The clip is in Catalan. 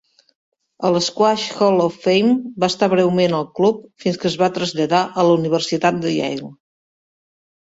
El Squash Hall of Fame va estar breument al club fins que es va traslladar a la Universitat de Yale.